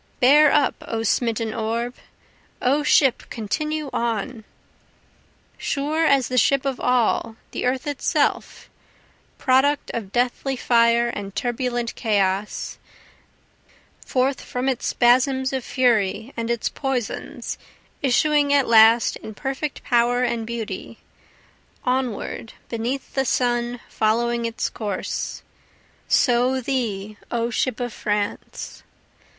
Bear up O smitten orb! O ship continue on! Sure as the ship of all, the Earth itself, Product of deathly fire and turbulent chaos, Forth from its spasms of fury and its poisons, Issuing at last in perfect power and beauty, Onward beneath the sun following its course, So thee O ship of France!